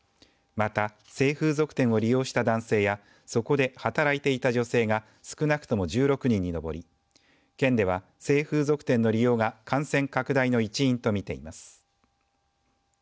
また、性風俗店を利用した男性やそこで働いていた女性が少なくとも１６人に上り県では性風俗店の利用が感染拡大の一因とみています。